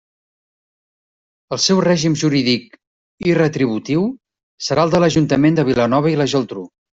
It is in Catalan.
El seu règim jurídic i retributiu serà el de l'Ajuntament de Vilanova i la Geltrú.